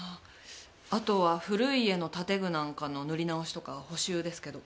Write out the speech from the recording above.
あとは古い家の建具なんかの塗り直しとか補修ですけど。